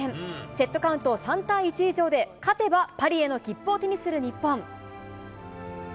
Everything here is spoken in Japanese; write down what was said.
セットカウント３対１以上で、勝てばパリへの切符を手にする日本。